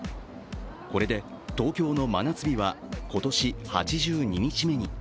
これで東京の真夏日は今年８２日目に。